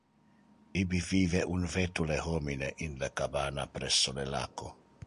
Ibi vive un vetule homine in le cabana presso le laco.